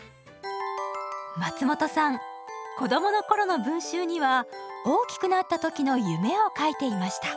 松本さん子供の頃の文集には大きくなった時の夢を書いていました。